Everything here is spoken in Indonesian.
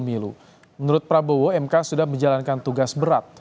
menurut prabowo mk sudah menjalankan tugas berat